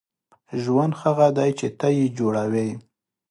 • ژوند هغه دی چې ته یې جوړوې.